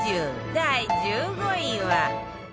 第１５位は